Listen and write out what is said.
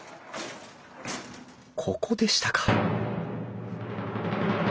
ここでしたか！